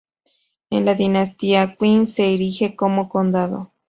En la dinastía Qin se erige como condado.